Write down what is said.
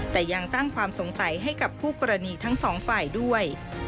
แต่ยังสร้างความสงสัยให้กับคู่กรณีทั้งสองฝ่ายด้วย